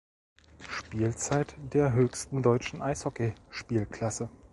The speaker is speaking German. Spielzeit der höchsten deutschen Eishockeyspielklasse.